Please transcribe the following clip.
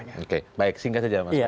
oke baik singkat saja mas